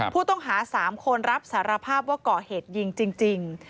ผู้ต้องหา๓คนรับสารภาพว่าก่อเหตุยิงจริง